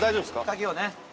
鍵をね。